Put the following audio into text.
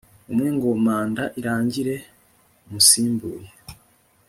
umwe ngo manda irangire umusimbuye